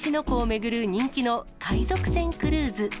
湖を巡る人気の海賊船クルーズ。